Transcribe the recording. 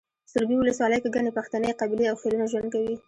سروبي ولسوالۍ کې ګڼې پښتنې قبیلې او خيلونه ژوند کوي